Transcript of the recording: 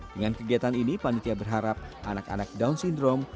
dengan kegiatan ini panitia berharap anak anak down syndrome